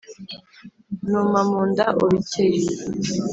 numa mu nda ubikeyo